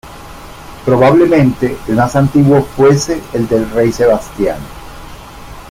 Probablemente el más antiguo fuese el del rey Sebastián.